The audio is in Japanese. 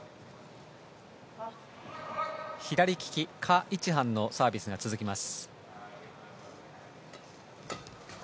左利きカ・イチハンのサービスが続きます。